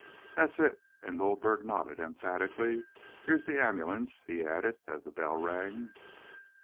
"That's it," and Goldberger nodded emphatically. "Here's the ambulance," he added, as the bell rang.